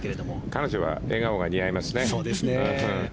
彼女は笑顔が似合いますね。